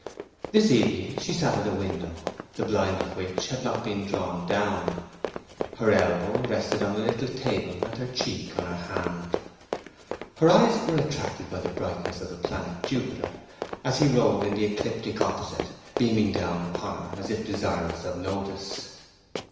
This evening she sat at a window, the blind of which had not been drawn down. Her elbow rested on a little table, and her cheek on her hand. Her eyes were attracted by the brightness of the planet Jupiter, as he rode in the ecliptic opposite, beaming down upon her as if desirous of notice.